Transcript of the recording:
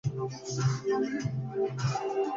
Está situado en las laderas de una loma próxima al pueblo.